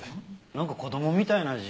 なんか子供みたいな字。